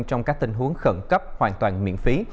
trong các tình huống khẩn cấp hoàn toàn miễn phí